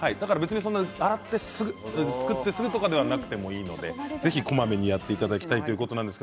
洗ってすぐ、作ってすぐではなくてもいいのでぜひこまめにやっていただきたいということですでした。